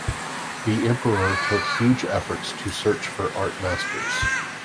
The emperor took huge efforts to search for art masters.